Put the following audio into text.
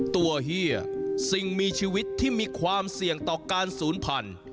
เฮียสิ่งมีชีวิตที่มีความเสี่ยงต่อการศูนย์พันธุ์